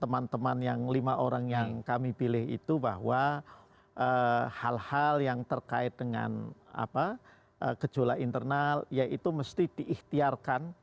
teman teman yang lima orang yang kami pilih itu bahwa hal hal yang terkait dengan gejolak internal ya itu mesti diikhtiarkan